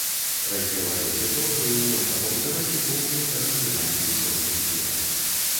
Развіваючы тэорыю, можна пабудаваць і поўную тэрмадынаміку чорных дзірак.